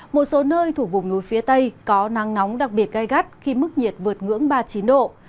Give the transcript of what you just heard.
một số nơi thuộc vùng núi phía tây có nắng nóng đặc biệt gai gắt khi mức nhiệt vượt ngưỡng ba mươi chín độ